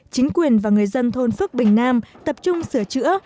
chính quyền và người dân thôn phước bình nam tập trung sửa chữa